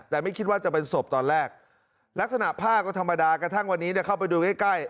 แต่ไม่คิดว่าจะเป็นศพตอนแรกลักษณะผ้าก็ธรรมดากระทั่งวันนี้เข้าไปดูใกล้ใกล้